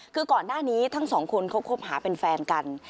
คือก่อนหน้านี้ทั้งสองคนเขาคบหาเป็นแฟนกัน